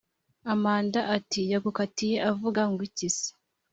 amanda ati"yagukatiye avuga ngwiki se?"